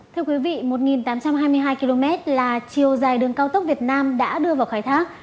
thưa quý vị một tám trăm hai mươi hai km là chiều dài đường cao tốc việt nam đã đưa vào khai thác